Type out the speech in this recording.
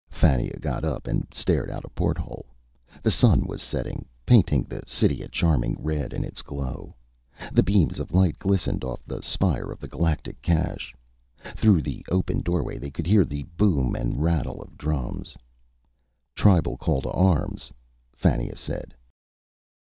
Fannia got up and stared out a porthole. The sun was setting, painting the city a charming red in its glow. The beams of light glistened off the spire of the Galactic cache. Through the open doorway they could hear the boom and rattle of drums. "Tribal call to arms," Fannia said.